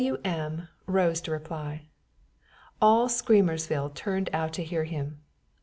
W.M. rose to reply. All Screamersville turned out to hear him.